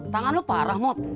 tangan lo parah mod